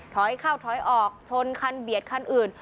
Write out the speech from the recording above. ถอยเข้าถอยออกชนคันเบียดคันอื่น